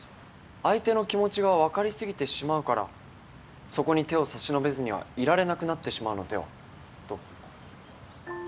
相手の気持ちが分かり過ぎてしまうからそこに手を差し伸べずにはいられなくなってしまうのではと。